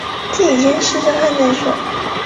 自己先试试看再说